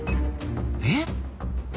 えっ！？